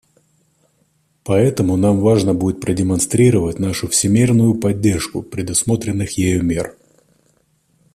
Поэтому нам важно будет продемонстрировать нашу всемерную поддержку предусмотренных ею мер.